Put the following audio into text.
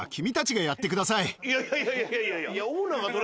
いやいやいやいやいや。